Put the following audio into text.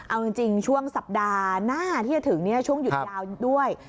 เอาจริงช่วงสัปดาห์หน้าที่จะถึงช่วงหยุดยาวด้วย